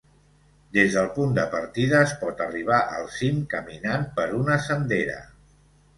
Des del punt de partida, es pot arribar al cim caminant per una sendera.